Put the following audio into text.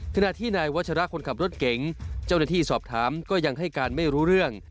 ขณะที่นายวัชระคนขับรถเก๋งเจ้าหน้าที่สอบถามก็ยังให้การไม่รู้เรื่อง